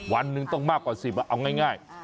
วันหนึ่งต้องมากกว่า๑๐เอาง่าย